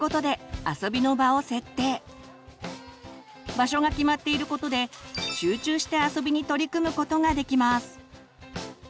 場所が決まっていることで集中して遊びに取り組むことができます。